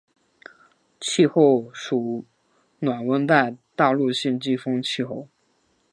气候属暖温带大陆性季风气候。